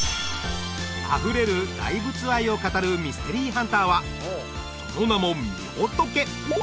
あふれる大仏愛を語るミステリーハンターはその名もみほとけ